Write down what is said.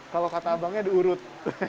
kalau kata abangnya diurut